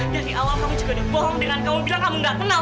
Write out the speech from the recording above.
dari awal kamu juga udah bohong dengan kamu bilang kamu gak kenal